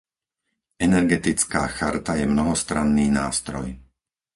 Energetická charta je mnohostranný nástroj.